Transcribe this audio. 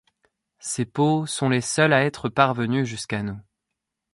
Ces peaux sont les seules à être parvenues jusqu'à nous.